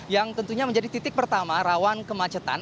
yang tentunya menjadi titik pertama rawan kemacetan